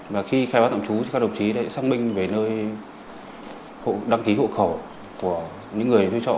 và khi khai báo tạm trú thì các đồng chí đã xác minh về nơi đăng ký hộ khẩu của những người thuê trọ